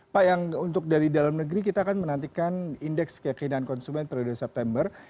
pak yang untuk dari dalam negeri kita akan menantikan indeks keyakinan konsumen periode september